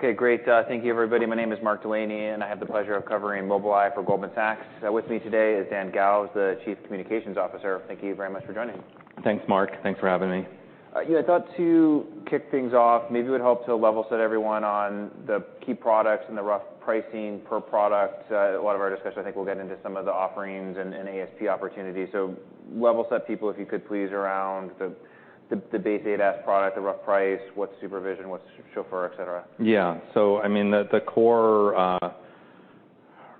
Okay, great, thank you, everybody. My name is Mark Delaney, and I have the pleasure of covering Mobileye for Goldman Sachs. With me today is Dan Galves, the Chief Communications Officer. Thank you very much for joining me. Thanks, Mark. Thanks for having me. Yeah, I thought to kick things off, maybe it would help to level set everyone on the key products and the rough pricing per product. A lot of our discussion, I think, will get into some of the offerings and ASP opportunities. Level set people, if you could please, around the base ADAS product, the rough price, what's SuperVision, what's Chauffeur, et cetera. Yeah. So I mean, the core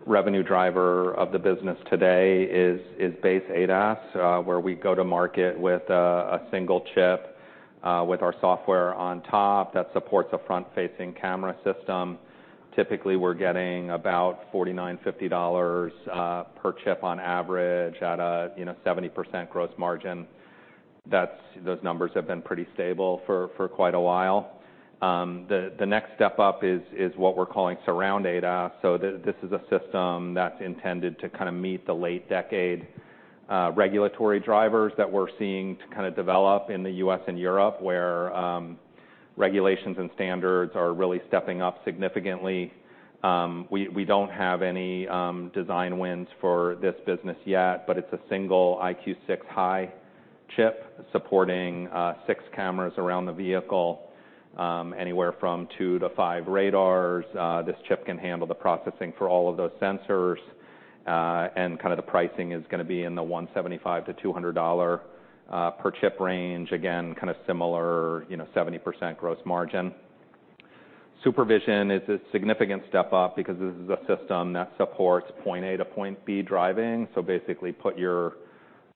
revenue driver of the business today is base ADAS, where we go to market with a single chip with our software on top that supports a front-facing camera system. Typically, we're getting about $49-$50 per chip on average at a you know, 70% gross margin. That's. Those numbers have been pretty stable for quite a while. The next step up is what we're calling Surround ADAS. So this is a system that's intended to kind of meet the late decade regulatory drivers that we're seeing to kind of develop in the U.S. and Europe, where regulations and standards are really stepping up significantly. We don't have any design wins for this business yet, but it's a single EyeQ6 High chip supporting six cameras around the vehicle, anywhere from two to five radars. This chip can handle the processing for all of those sensors, and kind of the pricing is gonna be in the $175-$200 per chip range. Again, kind of similar, you know, 70% gross margin. Supervision is a significant step up because this is a system that supports point A to point B driving. So basically,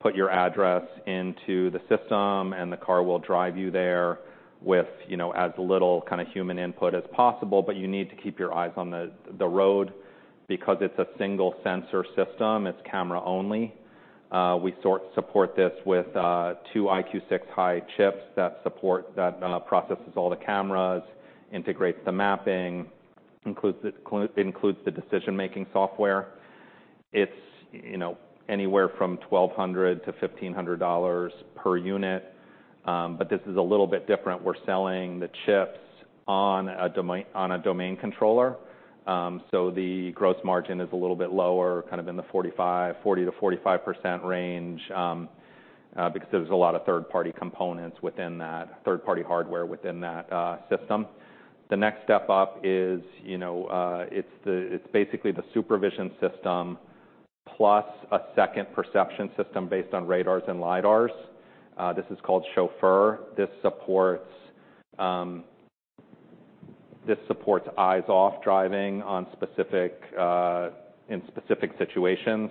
put your address into the system, and the car will drive you there with, you know, as little kind of human input as possible, but you need to keep your eyes on the road because it's a single sensor system. It's camera only. We support this with two EyeQ6 High chips that support that processes all the cameras, integrates the mapping, includes the decision-making software. It's, you know, anywhere from $1200-$1500 per unit, but this is a little bit different. We're selling the chips on a domain controller, so the gross margin is a little bit lower, kind of in the 40%-45% range, because there's a lot of third-party components within that, third-party hardware within that system. The next step up is, you know, it's basically the supervision system plus a second perception system based on radars and LiDARs. This is called Chauffeur. This supports eyes-off driving in specific situations,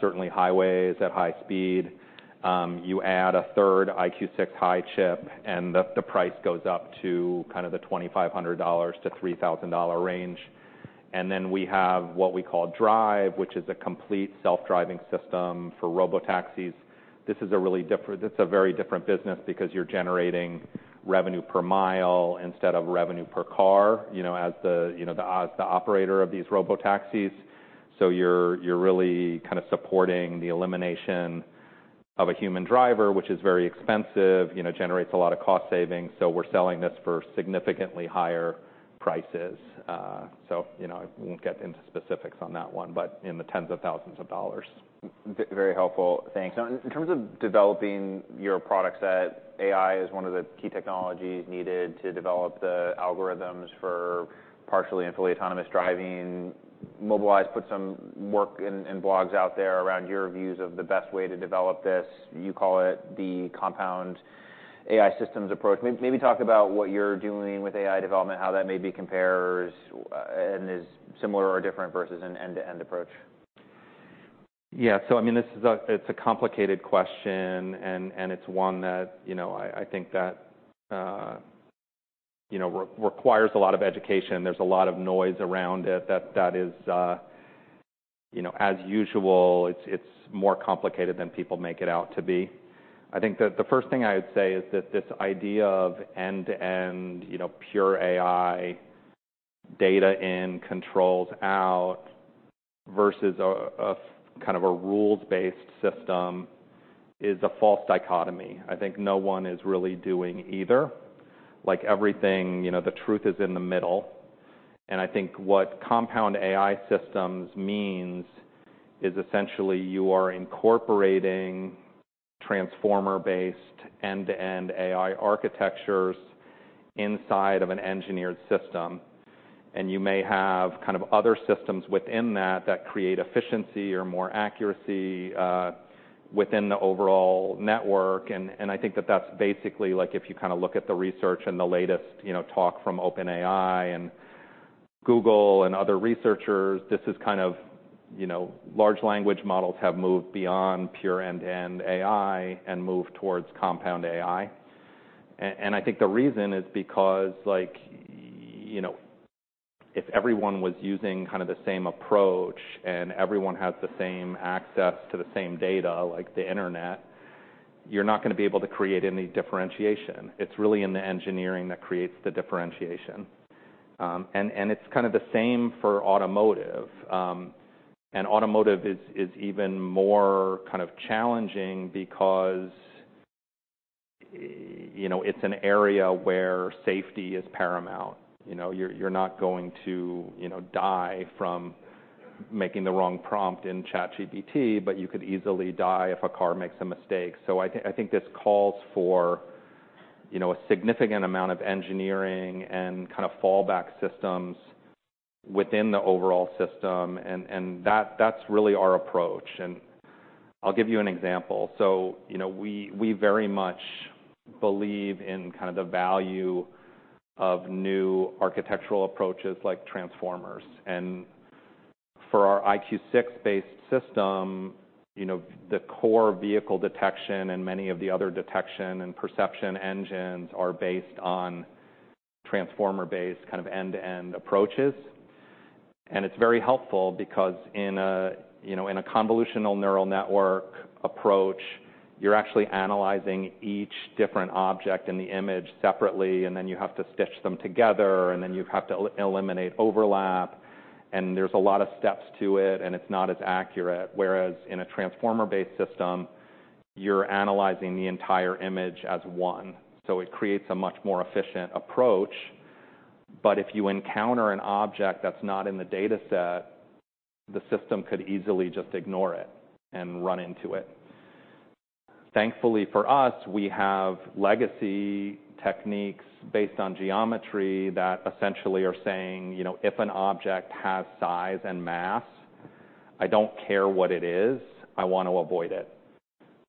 certainly highways at high speed. You add a third EyeQ6 High chip, and the price goes up to kind of the $2,500-$3,000 range. And then we have what we call Drive, which is a complete self-driving system for robotaxis. This is a very different business because you are generating revenue per mile instead of revenue per car, you know, as the operator of these robotaxis. So you are really kind of supporting the elimination of a human driver, which is very expensive, you know, generates a lot of cost savings, so we are selling this for significantly higher prices. So, you know, I will not get into specifics on that one, but in the tens of thousands of dollars. Very helpful. Thanks. Now, in terms of developing your product set, AI is one of the key technologies needed to develop the algorithms for partially and fully autonomous driving. Mobileye's put some work and blogs out there around your views of the best way to develop this. You call it the compound AI systems approach. Maybe talk about what you're doing with AI development, how that maybe compares, and is similar or different versus an end-to-end approach. Yeah. So I mean, this is a complicated question, and it's one that, you know, I think that, you know, requires a lot of education. There's a lot of noise around it, that is, you know, as usual, it's more complicated than people make it out to be. I think that the first thing I would say is that this idea of end-to-end, you know, pure AI, data in, controls out, versus a kind of rules-based system is a false dichotomy. I think no one is really doing either. Like everything, you know, the truth is in the middle, and I think what compound AI systems means is essentially you are incorporating transformer-based, end-to-end AI architectures inside of an engineered system, and you may have kind of other systems within that, that create efficiency or more accuracy within the overall network. And I think that that's basically like if you kind of look at the research and the latest, you know, talk from OpenAI and Google and other researchers, this is kind of, you know, large language models have moved beyond pure end-to-end AI and moved towards compound AI. And I think the reason is because, like, you know, if everyone was using kind of the same approach, and everyone has the same access to the same data, like the internet, you're not gonna be able to create any differentiation. It's really in the engineering that creates the differentiation. And it's kind of the same for automotive. And automotive is even more kind of challenging because you know, it's an area where safety is paramount. You know, you're not going to, you know, die from making the wrong prompt in ChatGPT, but you could easily die if a car makes a mistake. So I think this calls for, you know, a significant amount of engineering and kind of fallback systems within the overall system, and that, that's really our approach. And I'll give you an example. So, you know, we very much believe in kind of the value of new architectural approaches like transformers. For our EyeQ6 based system, you know, the core vehicle detection and many of the other detection and perception engines are based on transformer-based, kind of end-to-end approaches. It's very helpful because in a, you know, in a convolutional neural network approach, you're actually analyzing each different object in the image separately, and then you have to stitch them together, and then you have to eliminate overlap, and there's a lot of steps to it, and it's not as accurate. Whereas in a transformer-based system, you're analyzing the entire image as one, so it creates a much more efficient approach. If you encounter an object that's not in the dataset, the system could easily just ignore it and run into it. Thankfully, for us, we have legacy techniques based on geometry that essentially are saying, you know, "If an object has size and mass, I don't care what it is, I want to avoid it."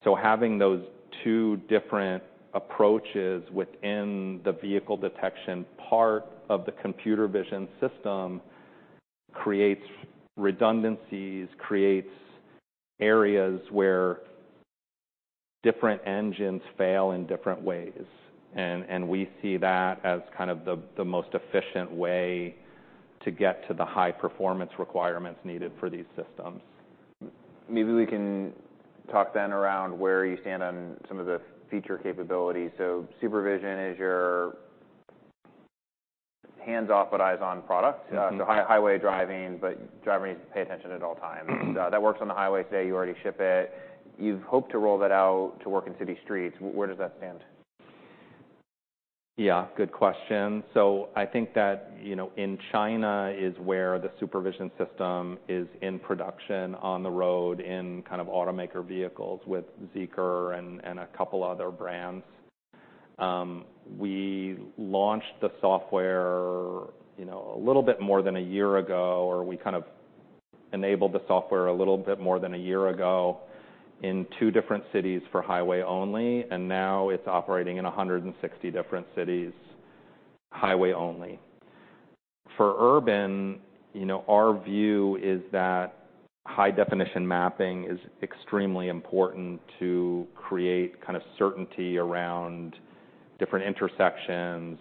So having those two different approaches within the vehicle detection part of the computer vision system creates redundancies, creates areas where different engines fail in different ways. And we see that as kind of the most efficient way to get to the high performance requirements needed for these systems. Maybe we can talk then around where you stand on some of the feature capabilities. SuperVision is your hands-off, but eyes-on product. Mm-hmm. So highway driving, but driver needs to pay attention at all times. Mm-hmm. That works on the highway. Say, you already ship it. You've hoped to roll that out to work in city streets. Where does that stand? Yeah, good question. So I think that, you know, in China is where the supervision system is in production on the road, in kind of automaker vehicles with Zeekr and, and a couple other brands. We launched the software, you know, a little bit more than a year ago, or we kind of enabled the software a little bit more than a year ago in two different cities for highway only, and now it's operating in 160 different cities, highway only. For urban, you know, our view is that high-definition mapping is extremely important to create kind of certainty around different intersections,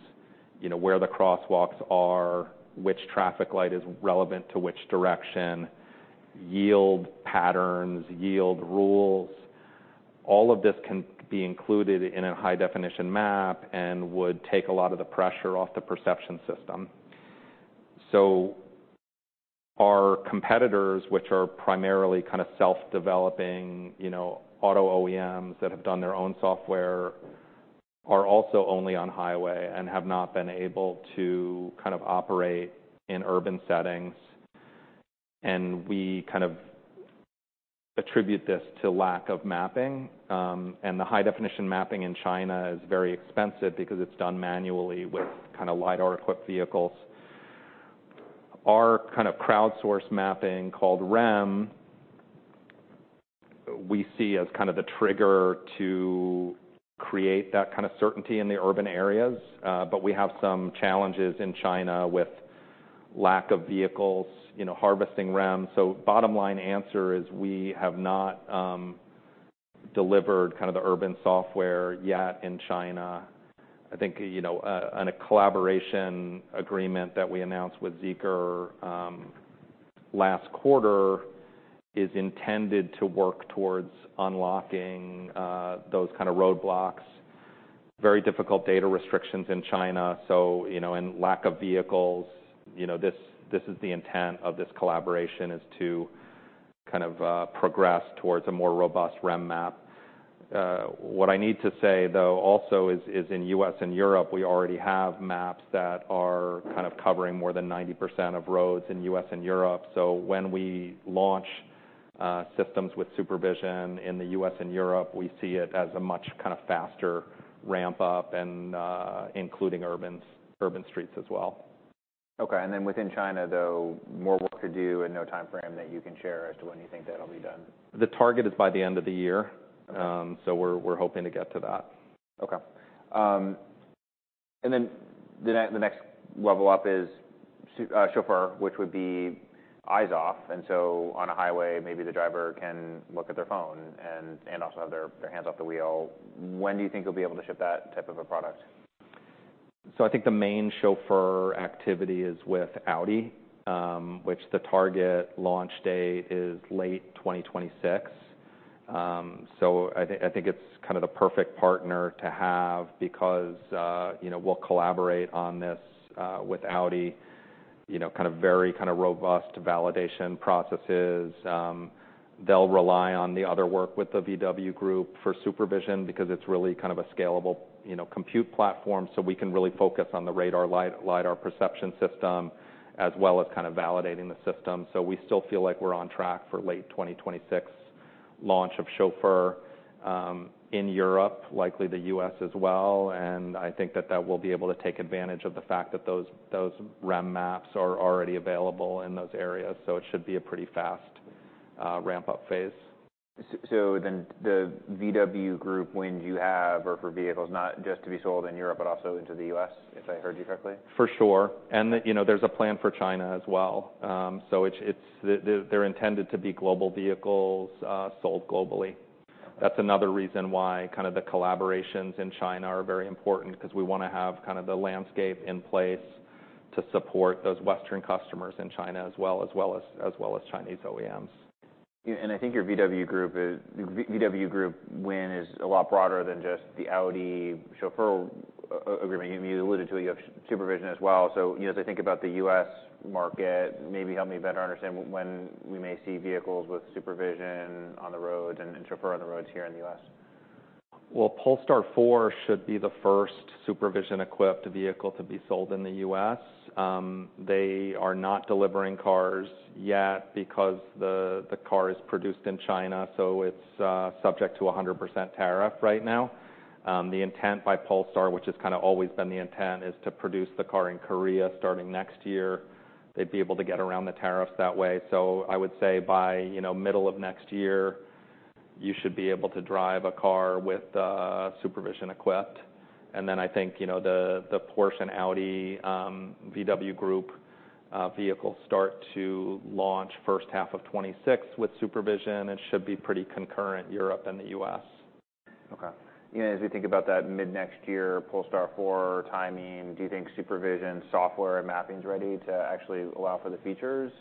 you know, where the crosswalks are, which traffic light is relevant to which direction, yield patterns, yield rules. All of this can be included in a high-definition map and would take a lot of the pressure off the perception system. So our competitors, which are primarily kind of self-developing, you know, auto OEMs that have done their own software, are also only on highway and have not been able to kind of operate in urban settings, and we kind of attribute this to lack of mapping, and the high-definition mapping in China is very expensive because it's done manually with kind of LiDAR-equipped vehicles. Our kind of crowdsourced mapping, called REM, we see as kind of the trigger to create that kind of certainty in the urban areas, but we have some challenges in China with lack of vehicles, you know, harvesting REM. So bottom line answer is we have not delivered kind of the urban software yet in China. I think, you know, on a collaboration agreement that we announced with Zeekr last quarter is intended to work towards unlocking those kind of roadblocks. Very difficult data restrictions in China, so, you know, and lack of vehicles, you know, this is the intent of this collaboration is to kind of progress towards a more robust REM map. What I need to say, though, also is in the U.S. and Europe we already have maps that are kind of covering more than 90% of roads in the U.S. and Europe. So when we launch systems with supervision in the U.S. and Europe we see it as a much kind of faster ramp up and including urban streets as well. Okay, and then within China, though, more work to do and no timeframe that you can share as to when you think that'll be done? The target is by the end of the year. So we're hoping to get to that. Okay. And then the next level up is Chauffeur, which would be eyes off, and so on a highway, maybe the driver can look at their phone and also have their hands off the wheel. When do you think you'll be able to ship that type of a product? So I think the main Chauffeur activity is with Audi, which the target launch date is late 2026. So I think, I think it's kind of the perfect partner to have because, you know, we'll collaborate on this, with Audi. You know, kind of very kind of robust validation processes. They'll rely on the other work with the VW Group for supervision, because it's really kind of a scalable, you know, compute platform, so we can really focus on the radar, LiDAR perception system, as well as kind of validating the system. So we still feel like we're on track for late 2026 launch of Chauffeur, in Europe, likely the U.S. as well. I think that will be able to take advantage of the fact that those REM maps are already available in those areas, so it should be a pretty fast ramp-up phase. So, then the VW Group, when you have orders for vehicles, not just to be sold in Europe, but also into the U.S., if I heard you correctly? For sure. And, you know, there's a plan for China as well. So it's they're intended to be global vehicles sold globally. That's another reason why kind of the collaborations in China are very important, 'cause we wanna have kind of the landscape in place to support those Western customers in China, as well as Chinese OEMs. I think your VW Group win is a lot broader than just the Audi Chauffeur agreement you alluded to. You have supervision as well. You know, as I think about the U.S. market, maybe help me better understand when we may see vehicles with supervision on the road and Chauffeur on the roads here in the U.S. Polestar 4 should be the first SuperVision-equipped vehicle to be sold in the U.S. They are not delivering cars yet because the car is produced in China, so it's subject to a 100% tariff right now. The intent by Polestar, which has kind of always been the intent, is to produce the car in Korea starting next year. They'd be able to get around the tariffs that way. So I would say by, you know, middle of next year, you should be able to drive a car with SuperVision equipped. And then I think, you know, the Porsche and Audi, VW Group, vehicles start to launch first half of 2026 with SuperVision. It should be pretty concurrent, Europe and the U.S. Okay, and as we think about that mid-next year, Polestar 4 timing, do you think supervision, software, and mapping's ready to actually allow for the features?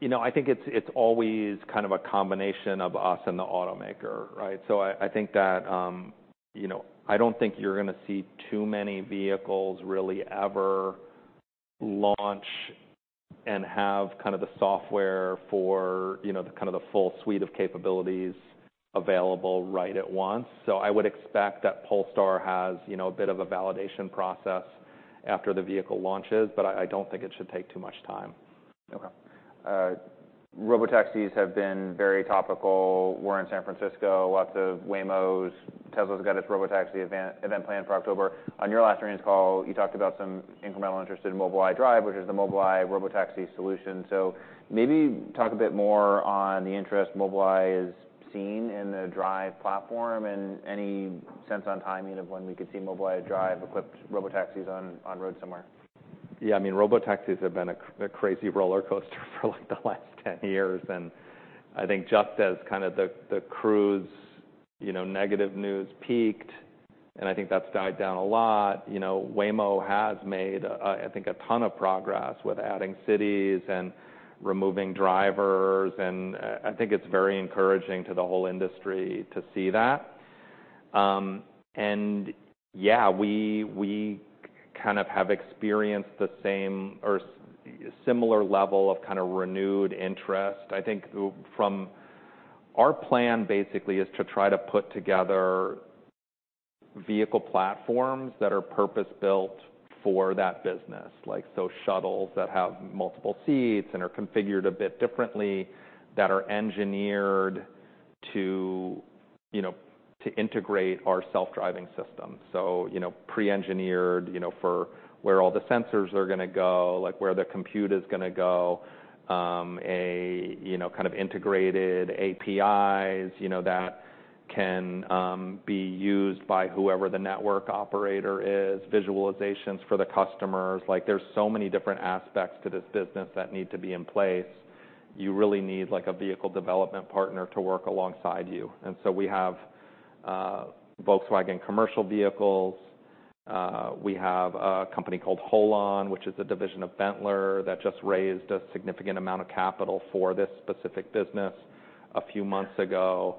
You know, I think it's always kind of a combination of us and the automaker, right? So I think that, you know, I don't think you're gonna see too many vehicles really ever launch and have kind of the software for, you know, the kind of the full suite of capabilities available right at once. So I would expect that Polestar has, you know, a bit of a validation process after the vehicle launches, but I don't think it should take too much time. Okay. Robotaxis have been very topical. We're in San Francisco, lots of Waymos. Tesla's got its robotaxi event planned for October. On your last earnings call, you talked about some incremental interest in Mobileye Drive, which is the Mobileye robotaxi solution. So maybe talk a bit more on the interest Mobileye is seeing in the Drive platform, and any sense on timing of when we could see Mobileye Drive-equipped robotaxis on road somewhere? Yeah, I mean, robotaxis have been a crazy rollercoaster for, like, the last 10 years. I think just as kind of the Cruise, you know, negative news peaked, and I think that's died down a lot, you know, Waymo has made a, I think, a ton of progress with adding cities and removing drivers. I think it's very encouraging to the whole industry to see that. Yeah, we kind of have experienced the same or similar level of kind of renewed interest. I think from. Our plan basically is to try to put together vehicle platforms that are purpose-built for that business. Like, so shuttles that have multiple seats and are configured a bit differently, that are engineered to, you know, to integrate our self-driving system. So, you know, pre-engineered, you know, for where all the sensors are gonna go, like, where the compute is gonna go. You know, kind of integrated APIs, you know, that can be used by whoever the network operator is, visualizations for the customers. Like, there's so many different aspects to this business that need to be in place. You really need, like, a vehicle development partner to work alongside you. And so we have Volkswagen Commercial Vehicles. We have a company called Holon, which is a division of Benteler, that just raised a significant amount of capital for this specific business a few months ago.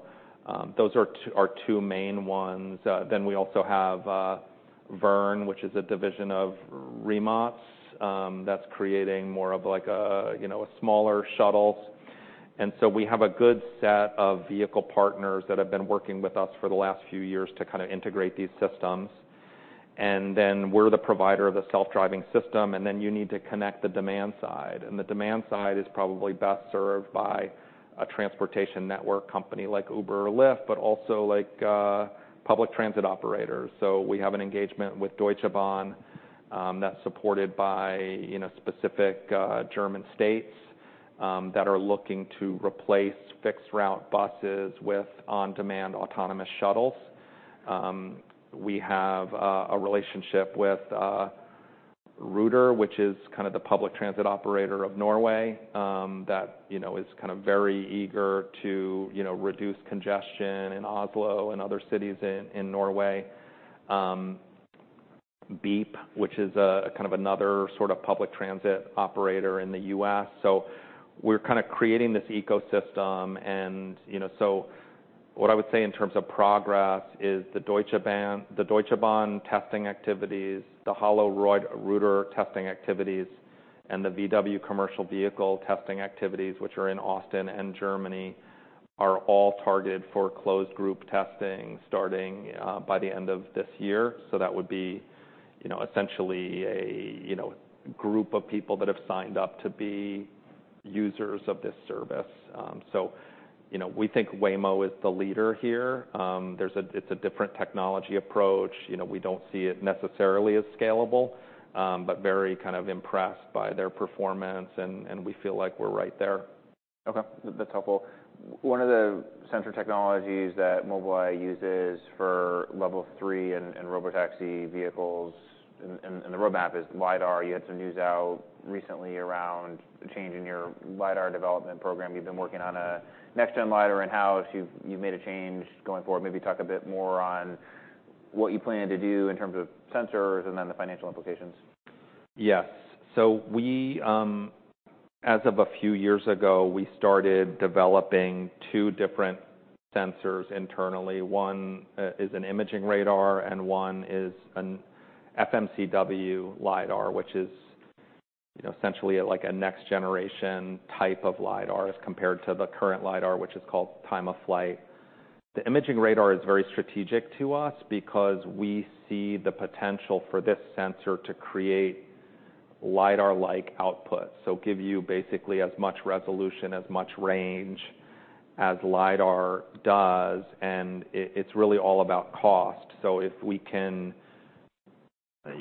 Those are two, our two main ones. Then we also have Verne, which is a division of Rimac, that's creating more of like a, you know, a smaller shuttles. And so we have a good set of vehicle partners that have been working with us for the last few years to kind of integrate these systems. And then we're the provider of the self-driving system, and then you need to connect the demand side. And the demand side is probably best served by a transportation network company like Uber or Lyft, but also like public transit operators. So we have an engagement with Deutsche Bahn that's supported by you know specific German states that are looking to replace fixed-route buses with on-demand autonomous shuttles. We have a relationship with Ruter which is kind of the public transit operator of Norway that you know is kind of very eager to you know reduce congestion in Oslo and other cities in Norway, Beep, which is a kind of another sort of public transit operator in the U.S. So we're kind of creating this ecosystem, and, you know. What I would say in terms of progress is the Deutsche Bahn, the Deutsche Bahn testing activities, the Holon Ruter testing activities, and the VW commercial vehicle testing activities, which are in Austin and Germany, are all targeted for closed group testing, starting by the end of this year. So that would be, you know, essentially a, you know, group of people that have signed up to be users of this service. So, you know, we think Waymo is the leader here. It's a different technology approach. You know, we don't see it necessarily as scalable, but very kind of impressed by their performance, and we feel like we're right there. Okay, that's helpful. One of the sensor technologies that Mobileye uses for level three and robotaxi vehicles and the roadmap is LiDAR. You had some news out recently around the change in your LiDAR development program. You've been working on a next-gen LiDAR in-house. You've made a change going forward. Maybe talk a bit more on what you plan to do in terms of sensors and then the financial implications. Yes. So we, as of a few years ago, we started developing two different sensors internally. One is an imaging radar, and one is an FMCW LiDAR, which is, you know, essentially, like, a next generation type of LiDAR, as compared to the current LiDAR, which is called time-of-flight. The imaging radar is very strategic to us because we see the potential for this sensor to create LiDAR-like output. So give you basically as much resolution, as much range as LiDAR does, and it's really all about cost. So if we can,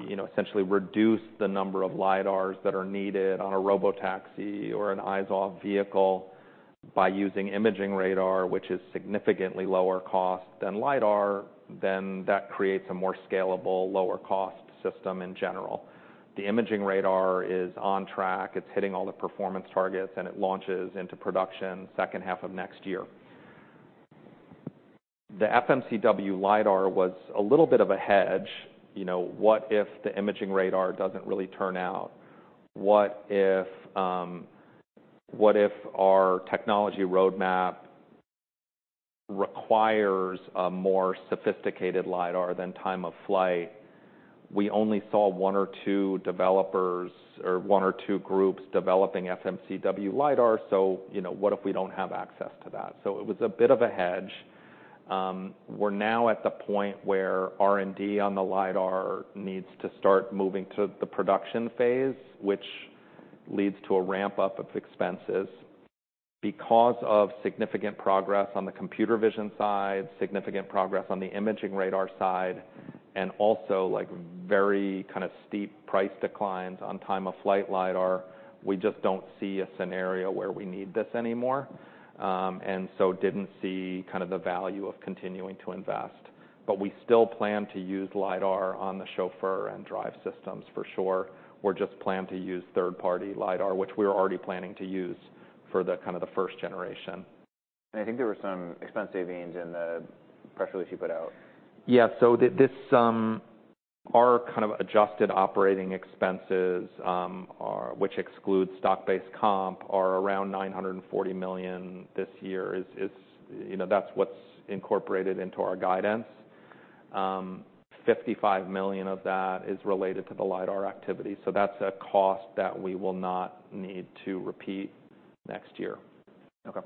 you know, essentially reduce the number of LiDARs that are needed on a robotaxi or an eyes-off vehicle by using imaging radar, which is significantly lower cost than LiDAR, then that creates a more scalable, lower cost system in general. The imaging radar is on track. It's hitting all the performance targets, and it launches into production second half of next year. The FMCW LiDAR was a little bit of a hedge. You know, what if the imaging radar doesn't really turn out? What if our technology roadmap requires a more sophisticated LiDAR than time of flight? We only saw one or two developers, or one or two groups developing FMCW LiDAR, so, you know, what if we don't have access to that? So it was a bit of a hedge. We're now at the point where R&D on the LiDAR needs to start moving to the production phase, which leads to a ramp-up of expenses. Because of significant progress on the computer vision side, significant progress on the imaging radar side, and also, like, very kind of steep price declines on time of flight LiDAR, we just don't see a scenario where we need this anymore, and so didn't see kind of the value of continuing to invest. But we still plan to use LiDAR on the Chauffeur and Drive systems for sure, or just plan to use third-party LiDAR, which we were already planning to use for the, kind of the first generation. I think there were some expense savings in the press release you put out. Yeah. So this, our kind of adjusted operating expenses, which excludes stock-based comp, are around $940 million this year. You know, that's what's incorporated into our guidance. $55 million of that is related to the LiDAR activity, so that's a cost that we will not need to repeat next year. Okay.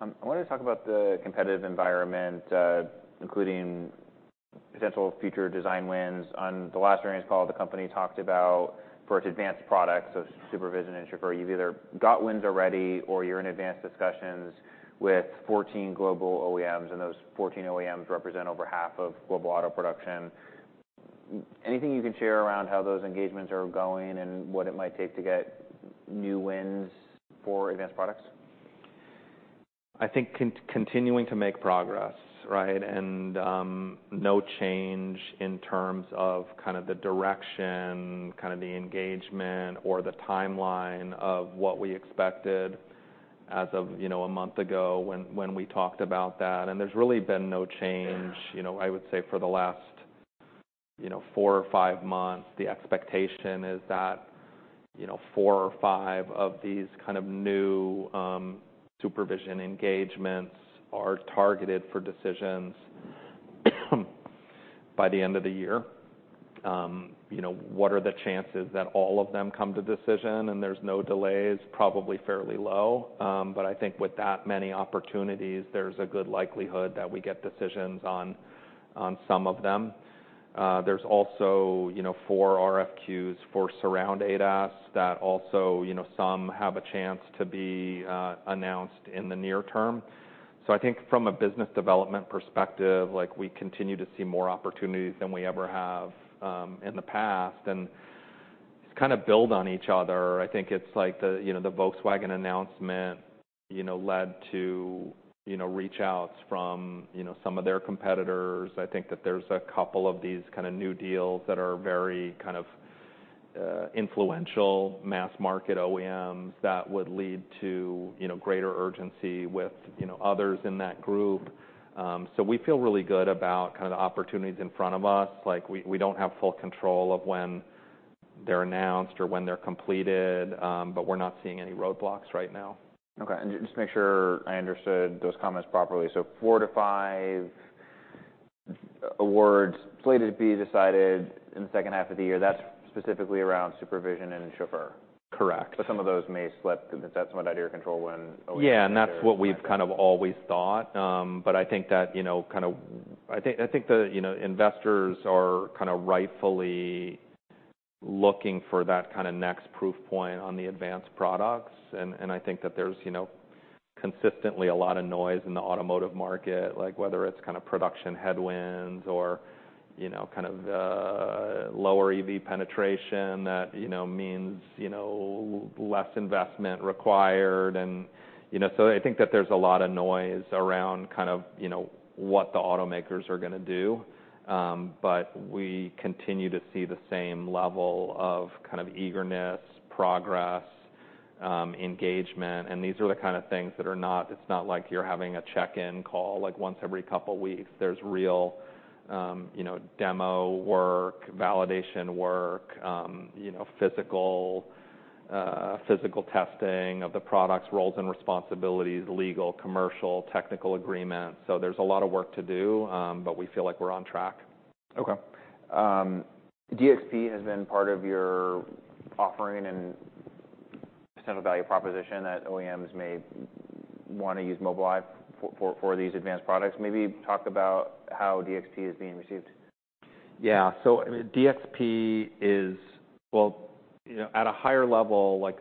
I wanted to talk about the competitive environment, including potential future design wins. On the last earnings call, the company talked about for its advanced products, so SuperVision and Chauffeur, you've either got wins already or you're in advanced discussions with fourteen global OEMs, and those fourteen OEMs represent over half of global auto production. Anything you can share around how those engagements are going and what it might take to get new wins for advanced products? I think continuing to make progress, right? And, no change in terms of kind of the direction, kind of the engagement, or the timeline of what we expected as of, you know, a month ago, when we talked about that. And there's really been no change, you know, I would say, for the last, you know, four or five months. The expectation is that, you know, four or five of these kind of new, SuperVision engagements are targeted for decisions, by the end of the year. You know, what are the chances that all of them come to decision and there's no delays? Probably fairly low. But I think with that many opportunities, there's a good likelihood that we get decisions on some of them. There's also, you know, four RFQs for Surround ADAS that also, you know, some have a chance to be announced in the near term. So I think from a business development perspective, like, we continue to see more opportunities than we ever have in the past, and just kind of build on each other. I think it's like the, you know, the Volkswagen announcement, you know, led to, you know, reach outs from, you know, some of their competitors. I think that there's a couple of these kind of new deals that are very kind of influential mass market OEMs that would lead to, you know, greater urgency with, you know, others in that group. So we feel really good about kind of the opportunities in front of us. Like, we don't have full control of whenthey're announced or when they're completed, but we're not seeing any roadblocks right now. Okay. And just to make sure I understood those comments properly. So four to five awards slated to be decided in the second half of the year, that's specifically around supervision and chauffeur? Correct. But some of those may slip, because that's somewhat out of your control when- Yeah, and that's what we've kind of always thought. But I think that, you know, kind of I think the, you know, investors are kind of rightfully looking for that kind of next proof point on the advanced products. And I think that there's, you know, consistently a lot of noise in the automotive market, like whether it's kind of production headwinds or, you know, kind of lower EV penetration that, you know, means, you know, less investment required. And, you know, so I think that there's a lot of noise around kind of, you know, what the automakers are gonna do. But we continue to see the same level of kind of eagerness, progress, engagement, and these are the kind of things that are not. It's not like you're having a check-in call, like, once every couple weeks. There's real, you know, demo work, validation work, you know, physical testing of the products, roles and responsibilities, legal, commercial, technical agreements, so there's a lot of work to do, but we feel like we're on track. Okay. DXP has been part of your offering and central value proposition that OEMs may wanna use Mobileye for these advanced products. Maybe talk about how DXP is being received. Yeah. So DXP is. Well, you know, at a higher level, like,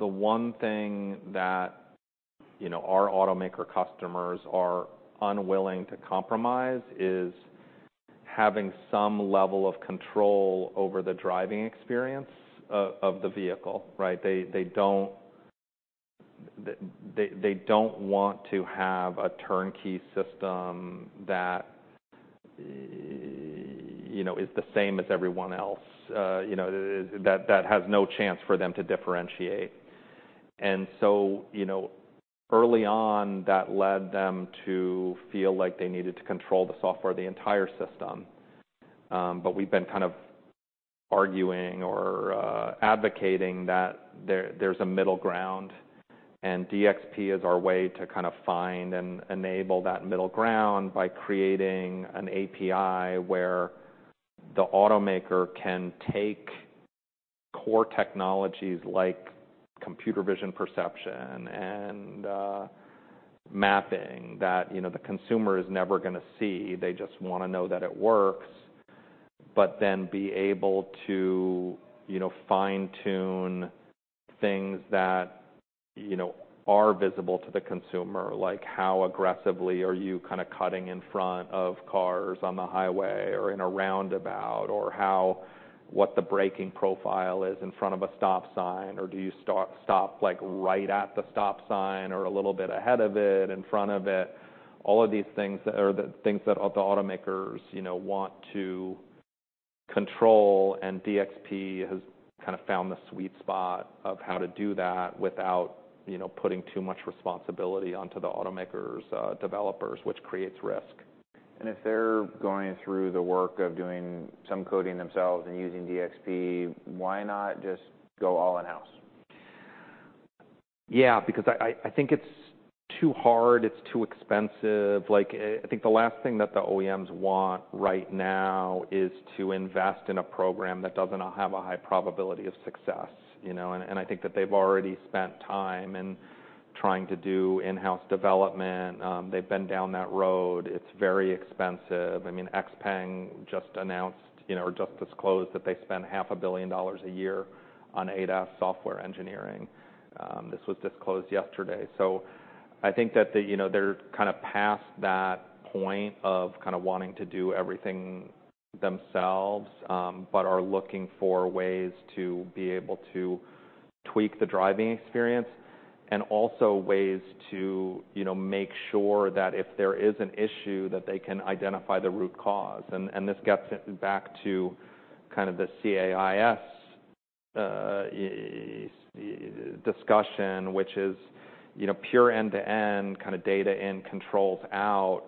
the one thing that, you know, our automaker customers are unwilling to compromise is having some level of control over the driving experience of the vehicle, right? They don't want to have a turnkey system that, you know, is the same as everyone else, you know, that has no chance for them to differentiate. And so, you know, early on, that led them to feel like they needed to control the software of the entire system. But we've been kind of arguing or advocating that there, there's a middle ground, and DXP is our way to kind of find and enable that middle ground by creating an API, where the automaker can take core technologies like computer vision perception and mapping that, you know, the consumer is never gonna see. They just wanna know that it works. But then be able to, you know, fine-tune things that, you know, are visible to the consumer, like how aggressively are you kind of cutting in front of cars on the highway or in a roundabout? Or how, what the braking profile is in front of a stop sign, or do you stop, like, right at the stop sign, or a little bit ahead of it, in front of it? All of these things are the things that the automakers, you know, want to control, and DXP has kind of found the sweet spot of how to do that without, you know, putting too much responsibility onto the automakers' developers, which creates risk. If they're going through the work of doing some coding themselves and using DXP, why not just go all in-house? Yeah, because I think it's too hard, it's too expensive. Like, I think the last thing that the OEMs want right now is to invest in a program that doesn't have a high probability of success, you know? And I think that they've already spent time in trying to do in-house development. They've been down that road. It's very expensive. I mean, XPeng just announced, you know, or just disclosed that they spend $500 million a year on ADAS software engineering. This was disclosed yesterday. So I think that the, you know, they're kind of past that point of kind of wanting to do everything themselves, but are looking for ways to be able to tweak the driving experience, and also ways to, you know, make sure that if there is an issue, that they can identify the root cause. This gets back to kind of the case discussion, which is, you know, pure end-to-end, kind of data in, controls out.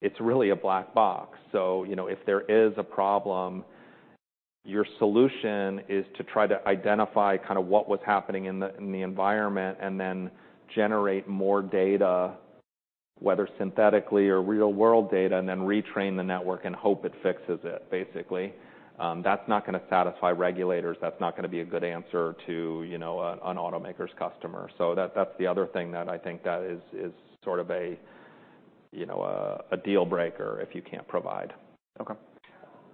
It's really a black box. So, you know, if there is a problem, your solution is to try to identify kind of what was happening in the environment, and then generate more data, whether synthetically or real-world data, and then retrain the network and hope it fixes it, basically. That's not gonna satisfy regulators. That's not gonna be a good answer to, you know, an automaker's customer. So that's the other thing that I think that is sort of a, you know, a deal breaker if you can't provide. Okay.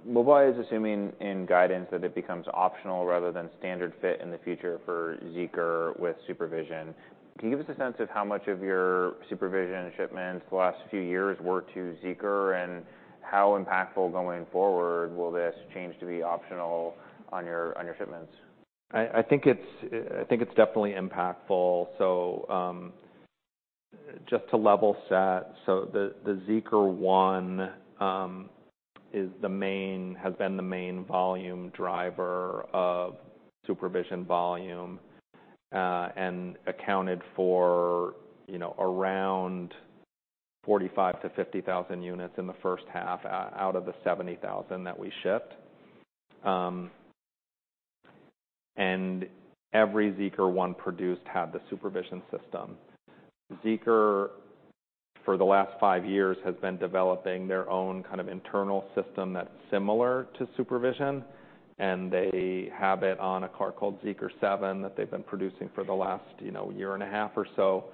Mobileye is assuming in guidance that it becomes optional rather than standard fit in the future for Zeekr with supervision. Can you give us a sense of how much of your supervision shipments the last few years were to Zeekr, and how impactful going forward will this change to be optional on your shipments? I think it's definitely impactful. Just to level set, the Zeekr 001 is the main has been the main volume driver of SuperVision volume, and accounted for, you know, around forty-five to fifty thousand units in the first half, out of the seventy thousand that we shipped. And every Zeekr 001 produced had the SuperVision system. Zeekr, for the last five years, has been developing their own kind of internal system that's similar to SuperVision, and they have it on a car called Zeekr 007, that they've been producing for the last year and a half or so.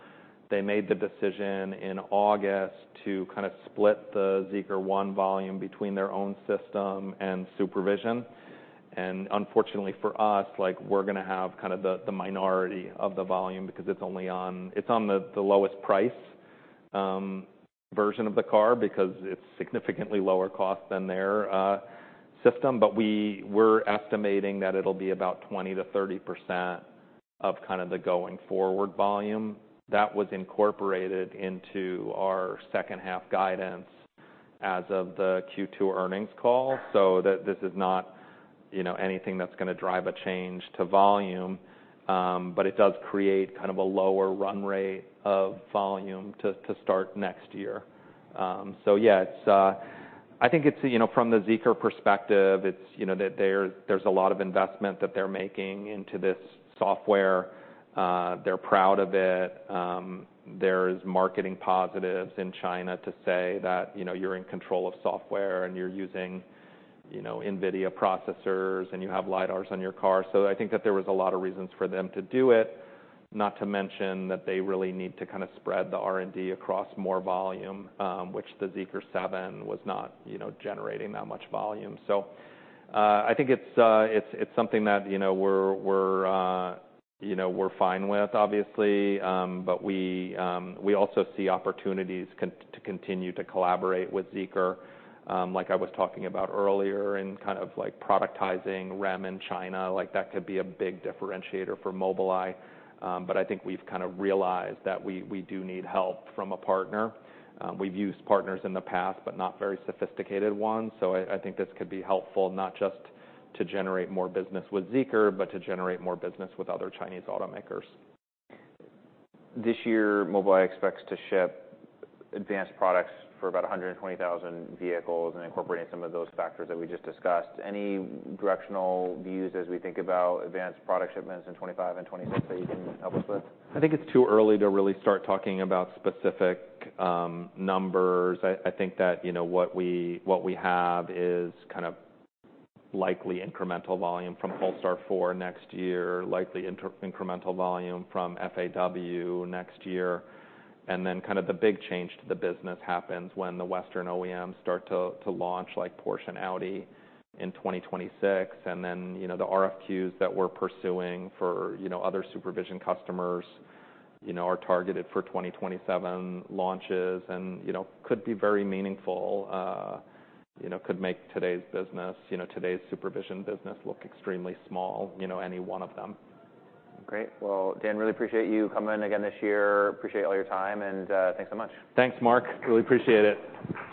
They made the decision in August to kind of split the Zeekr 001 volume between their own system and SuperVision. Unfortunately, for us, like, we're gonna have kind of the minority of the volume, because it's only on the lowest price version of the car, because it's significantly lower cost than their system. We're estimating that it'll be about 20%-30% of kind of the going forward volume. That was incorporated into our second half guidance as of the Q2 earnings call. That this is not, you know, anything that's gonna drive a change to volume, but it does create kind of a lower run rate of volume to start next year. Yeah, it's I think it's, you know, from the Zeekr perspective, it's, you know, that there's a lot of investment that they're making into this software. They're proud of it. There's marketing positives in China to say that, you know, you're in control of software, and you're using, you know, NVIDIA processors, and you have LiDARs on your car. So I think that there was a lot of reasons for them to do it, not to mention that they really need to kind of spread the R&D across more volume, which the Zeekr Seven was not, you know, generating that much volume. So, I think it's something that, you know, we're fine with, obviously. But we also see opportunities to continue to collaborate with Zeekr, like I was talking about earlier, in kind of like productizing REM in China. Like, that could be a big differentiator for Mobileye. But I think we've kind of realized that we do need help from a partner. We've used partners in the past, but not very sophisticated ones. So I think this could be helpful, not just to generate more business with Zeekr, but to generate more business with other Chinese automakers. This year, Mobileye expects to ship advanced products for about a hundred and twenty thousand vehicles, and incorporating some of those factors that we just discussed. Any directional views as we think about advanced product shipments in 2025 and 2026 that you can help us with? I think it's too early to really start talking about specific numbers. I think that, you know, what we have is kind of likely incremental volume from Polestar 4 next year, likely incremental volume from FAW next year. And then, kind of the big change to the business happens when the Western OEMs start to launch, like Porsche and Audi, in 2026. And then, you know, the RFQs that we're pursuing for, you know, other Supervision customers, you know, are targeted for 2027 launches and, you know, could be very meaningful, you know, could make today's business, you know, today's Supervision business look extremely small, you know, any one of them. Great! Well, Dan, really appreciate you coming in again this year. Appreciate all your time and, thanks so much. Thanks, Mark. Really appreciate it.